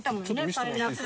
パイナップル。